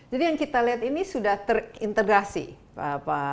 jadi yang kita lihat ini sudah terintegrasi pak hasan